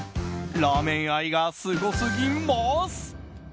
ラーメン愛がすごすぎます！